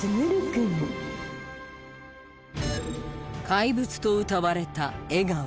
怪物とうたわれた江川。